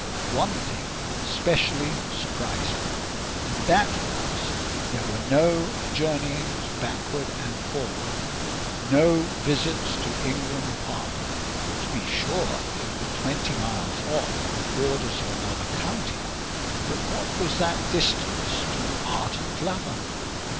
One thing specially surprised me, and that was, there were no journeyings backward and forward, no visits to Ingram Park: to be sure it was twenty miles off, on the borders of another county; but what was that distance to an ardent lover?